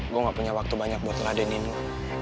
gue gak punya waktu banyak buat ladenin lu